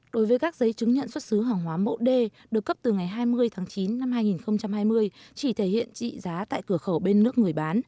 đối với các giấy chứng nhận xuất xứ hàng hóa mẫu d được cấp từ ngày hai mươi tháng chín năm hai nghìn hai mươi chỉ thể hiện trị giá tại cửa khẩu bên nước người bán